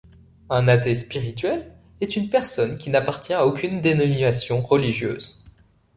Un athée spirituel est une personne qui n'appartient à aucune dénomination religieuse.